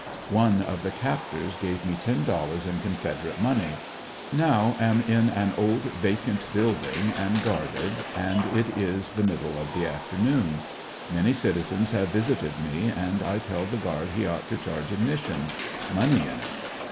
One of the captors gave me ten dollars in Confederate money. Now am in an old vacant building and guarded and it is the mid AlSfDEBSONVILLB D2ABT. 129 die of the afternoon. Many citizens have visited me and I tell the guard he ought to charge admission; money in it.